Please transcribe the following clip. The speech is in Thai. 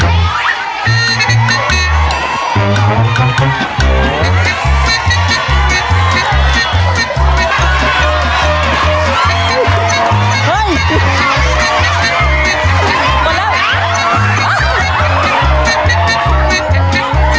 เฮ้ยตีแล้วค่ะก่อนเร็วตีแล้วค่ะ